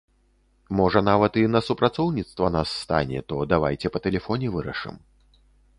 Можа нават і на супрацоўніцтва нас стане, то давайце па тэлефоне вырашым.